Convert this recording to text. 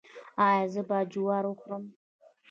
ایا زه باید جوار وخورم؟